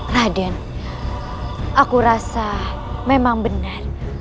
raden aku rasa memang benar